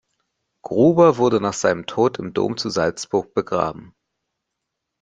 Gruber wurde nach seinem Tod im Dom zu Salzburg begraben.